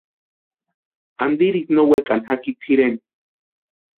Antirisï no wekani jaki tʼireni.